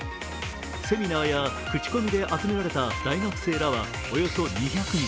セミナーや口コミで集められた大学生らはおよそ２００人。